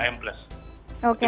bukan memakai masker